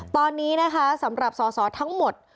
ตอนนี้นะคะสำหรับสอสอทั้งหมด